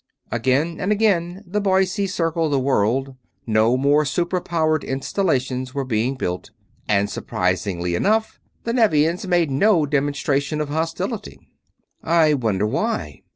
Again and again the Boise circled the world. No more super powered installations were being built. And, surprisingly enough, the Nevians made no demonstration of hostility. "I wonder why?"